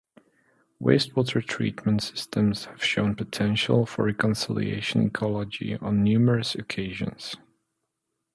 Wastewater treatment systems have shown potential for reconciliation ecology on numerous occasions.